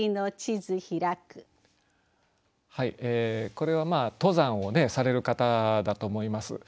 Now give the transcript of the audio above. これは登山をされる方だと思います。